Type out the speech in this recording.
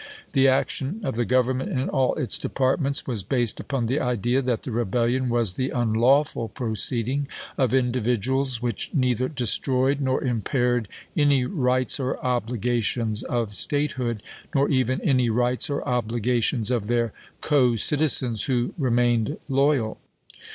The action of the Grovernment in all its departments was based upon the idea that the rebellion was the unlawful proceeding of individuals which neither destroyed nor impaired any rights or obligations of Statehood, nor even any rights or obligations of their co citizens who remained loyal.